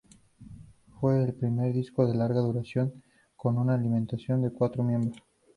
Fue el primer disco de larga duración con una alineación de cuatro miembros.